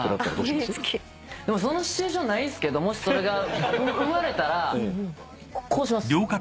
そのシチュエーションないんすけどもしそれが生まれたらこうします。